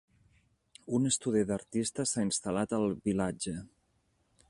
Un estudi d'artista s'ha instal·lat al vilatge.